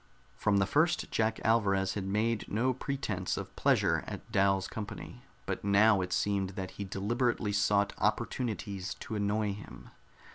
From the first Jack Alvarez had made no pretense of pleasure at Dal's company, but now it seemed that he deliberately sought opportunities to annoy him.